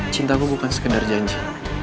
cinta gue bukan sekedar janji